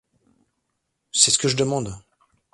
C’est ce que je demande !